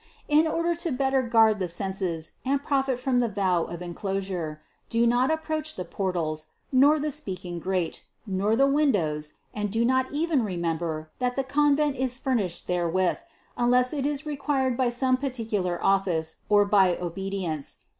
In order to better guard the senses and profit from the vow of enclosure, do not approach the por tals, nor the speaking grate, nor the windows, and do not even remember that the convent is furnished therewith, unless it is required by some particular office or by obe dience.